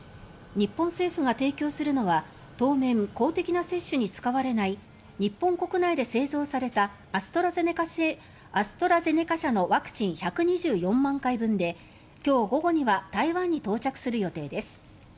日本政府が提供するのは当面、公的な接種に使われない日本国内で製造されたアストラゼネカ社のワクチン１２４万回分で今日午後には台湾に到着する予定です。